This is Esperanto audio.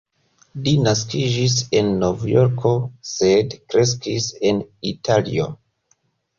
Li naskiĝis en Novjorko, sed kreskis en Italio.